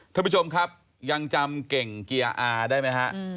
ท่านผู้ชมครับยังจำเก่งเกียร์อาได้ไหมฮะ